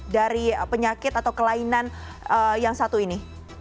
dari penyakit atau kelainan yang satu ini